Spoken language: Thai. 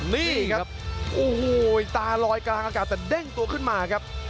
นี่ครับโอ้โหตาลอยกลางอากาศแต่เด้งตัวขึ้นมาครับ